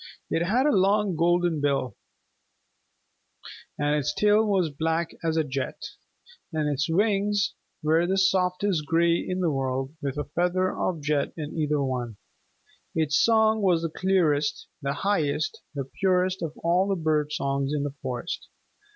It had a long golden bill, and its tail was black as jet; and its wings were the softest gray in the world with a feather of jet in either one. Its song was the clearest, the highest, the purest of all the bird songs in the forest.